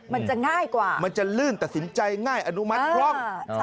มันจะง่ายกว่ามันจะลื่นตัดสินใจง่ายอนุมัติคล่อง